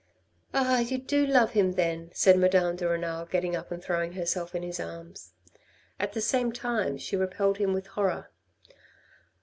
"" Ah, do you love him then," said Madame de Renal, getting up and throwing herself in his arms. At the same time she repelled him with horror.